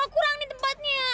kurang nih tempatnya